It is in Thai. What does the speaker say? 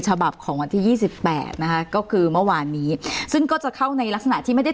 ฉบับของวันที่ยี่สิบแปดนะคะก็คือเมื่อวานนี้ซึ่งก็จะเข้าในลักษณะที่ไม่ได้